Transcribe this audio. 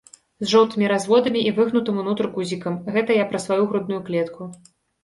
З жоўтымі разводамі і выгнутым унутр гузікам, гэта я пра сваю грудную клетку.